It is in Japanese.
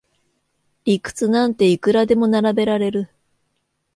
理屈なんていくらでも並べられる